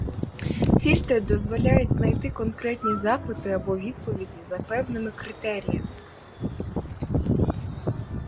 Фільтри дозволяють знайти конкретні запити або відповіді за певними критеріями.